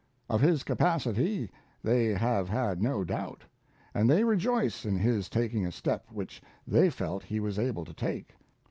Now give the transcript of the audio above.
Of his capacity they have had no doubt, and they rejoice in his taking a step which they felt he was able to take.